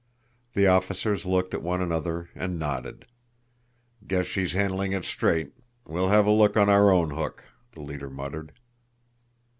The officers looked at one another and nodded. "Guess she's handing it straight we'll have a look on our own hook," the leader muttered.